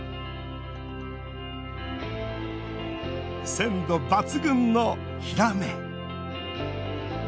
鮮度抜群のヒラメ。